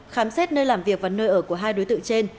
khám xét nơi làm việc và nơi ở của hai đối tượng trên